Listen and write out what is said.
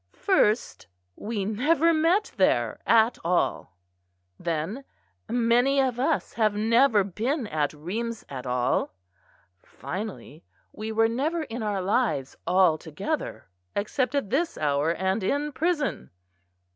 First we never met there at all; then, many of us have never been at Rheims at all; finally, we were never in our lives all together, except at this hour and in prison."